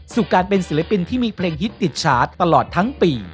สู่การเป็นศิลปินที่มีเพลงฮิตติดชาร์จตลอดทั้งปี